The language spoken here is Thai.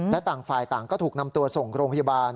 และต่างฝ่ายต่างก็ถูกนำตัวส่งโรงพยาบาล